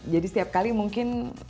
jadi setiap kali mungkin